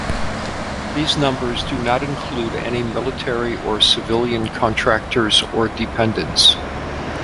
These numbers do not include any military or civilian contractors or dependents.